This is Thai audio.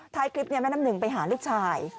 ท้ายคลิปแม่น้ำหนึ่งไปหาลูกชาย